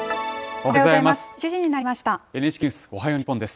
おはようございます。